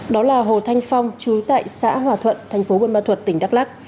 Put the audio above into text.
đó là hồ thanh phong chú tại xã hòa thuận thành phố buôn ma thuật tỉnh đắk lắc